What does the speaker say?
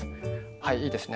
はいいいですね。